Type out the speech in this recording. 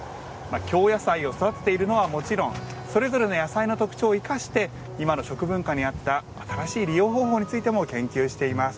京野菜を育てているのはもちろんそれぞれの野菜の特長を生かして今の食文化にあった新しい利用方法についても研究しています。